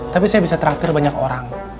tapi saya bisa teraktir banyak orang